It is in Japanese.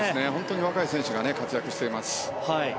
若い選手が活躍しています。